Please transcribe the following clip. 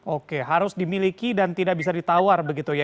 oke harus dimiliki dan tidak bisa ditawar begitu ya